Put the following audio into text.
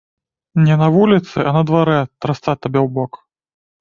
Не на вуліцы, а на дварэ, трасца табе ў бок!